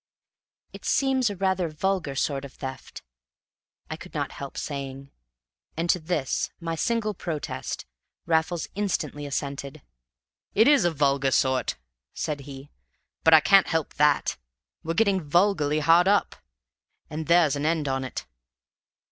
"It seems rather a vulgar sort of theft," I could not help saying; and to this, my single protest, Raffles instantly assented. "It is a vulgar sort," said he; "but I can't help that. We're getting vulgarly hard up again, and there's an end on 't.